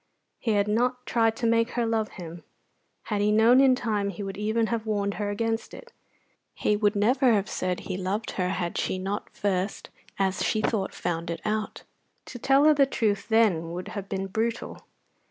He had not tried to make her love him. Had he known in time he would even have warned her against it. He would never have said he loved her had she not first, as she thought, found it out; to tell her the truth then would have been brutal.